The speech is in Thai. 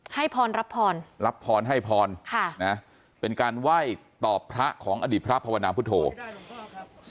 พรรับพรรับพรให้พรเป็นการไหว้ต่อพระของอดีตพระภาวนาพุทธโธ